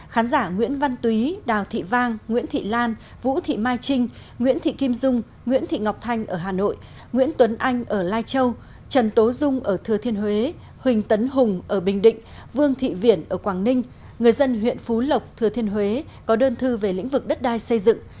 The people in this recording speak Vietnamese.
khán giả nguyễn văn túy đào thị vang nguyễn thị lan vũ thị mai trinh nguyễn thị kim dung nguyễn thị ngọc thanh ở hà nội nguyễn tuấn anh ở lai châu trần tố dung ở thừa thiên huế huỳnh tấn hùng ở bình định vương thị viển ở quảng ninh người dân huyện phú lộc thừa thiên huế có đơn thư về lĩnh vực đất đai xây dựng